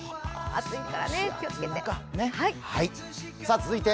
暑いから気をつけて。